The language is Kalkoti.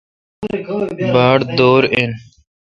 باڑ دور این۔